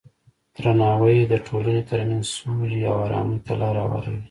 درناوی د ټولنې ترمنځ سولې او ارامۍ ته لاره هواروي.